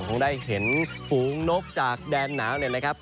คงได้เห็นฝูงนกจากแดนหนาวเนี่ยนะครับ